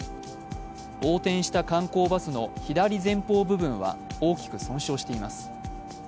横転した観光バスの左前方部分は大きく損傷しています。